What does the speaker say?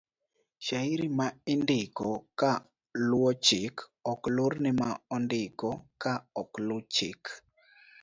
Shairi ma indiko ka luwo chik ok lorne ma indiko ka okolu chik.